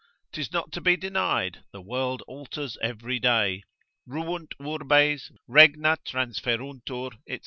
'Tis not to be denied, the world alters every day, Ruunt urbes, regna transferuntur, &c.